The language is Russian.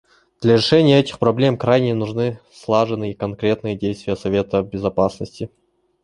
Для решения этих проблем крайне нужны слаженные и конкретные действия Совета Безопасности.